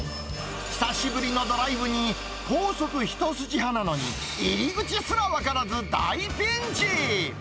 久しぶりのドライブに、高速一筋派なのに、入り口すら分からず大ピンチ。